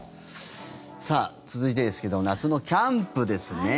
さあ、続いてですけど夏のキャンプですね。